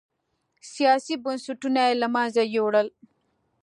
سیاسي بنسټونه یې له منځه یووړل.